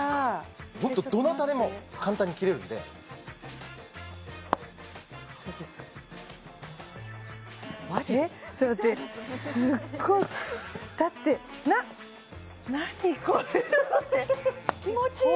ホントどなたでも簡単に切れるのですっごいだってな気持ちいい！